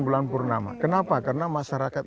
bulan purnama kenapa karena masyarakat